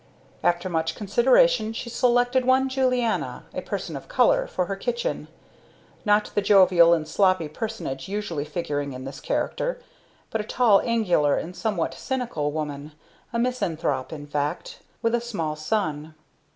After much consideration she selected one Julianna, a "person of color," for her kitchen: not the jovial and sloppy personage usually figuring in this character, but a tall, angular, and somewhat cynical woman, a misanthrope in fact, with a small son.